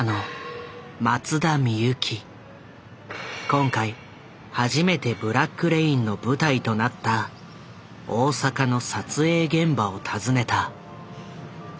今回初めて「ブラック・レイン」の舞台となった大阪の撮影現場を訪ねた。